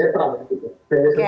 itu harus dijalankan